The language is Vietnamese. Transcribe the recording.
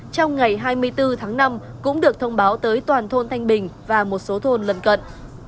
trong ngày hai mươi bốn tháng năm cũng được thông báo tới toàn thôn thanh bình và một số thôn lân cận